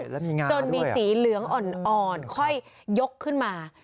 แล้วมีไงจนมีสีเหลืองอ่อนค่อยยกขึ้นมา